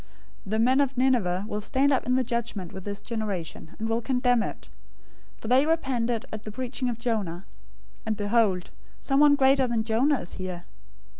012:041 The men of Nineveh will stand up in the judgment with this generation, and will condemn it, for they repented at the preaching of Jonah; and behold, someone greater than Jonah is here.